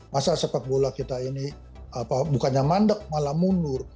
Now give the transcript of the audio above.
masa sepak bola kita ini bukannya mandek malah mundur